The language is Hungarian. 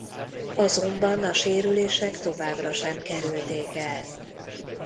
Azonban a sérülések továbbra sem kerülték el.